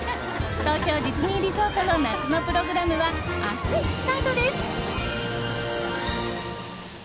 東京ディズニーリゾートの夏のプログラムは明日スタートです。